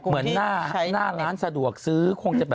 เหมือนหน้าร้านสะดวกซื้อ